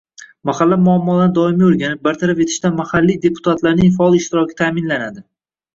Mahalla muammolarini doimiy o‘rganib, bartaraf etishda mahalliy deputatlarning faol ishtiroki ta’minlanadi.